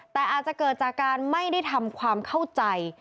แต่อาจจะเกิดจากการไม่ได้ทำความเข้าใจ